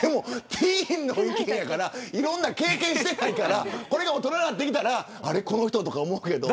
ティーンの意見やからいろんな経験してないからこれが大人になってきたらあれ、この人と思うけど。